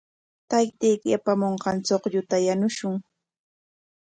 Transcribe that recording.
Taytayki apamunqan chuqlluta yanushun.